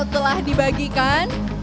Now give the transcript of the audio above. baik skidol telah dibagikan